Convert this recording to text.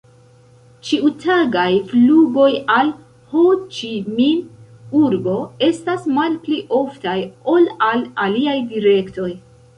Ĉiutagaj flugoj al Ho-Ĉi-Min-urbo estas malpli oftaj ol al aliaj direktoj.